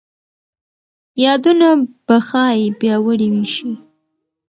یادونه به ښايي پیاوړي شي.